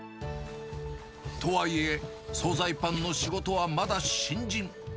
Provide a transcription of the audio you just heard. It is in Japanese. とはいえ、総菜パンの仕事はまだ新人。